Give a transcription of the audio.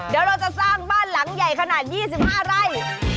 เดี๋ยวเราจะสร้างบ้านหลังใหญ่ขนาด๒๕ไร่